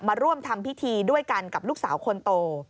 มาร่วมทำพิธีด้วยกันกับลูกสาวคนโต